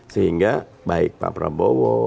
sehingga baik pak prabowo